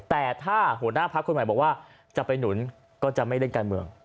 แต่ถ้าหัวหน้าพักคนใหม่บอกว่าจะไปหนุนก็จะไม่เล่นการเมือง